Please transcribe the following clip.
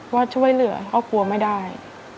ว่าช่วยเหลือเขากลัวไม่ได้